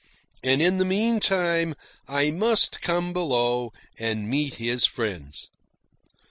And in the meantime I must come below and meet his friends.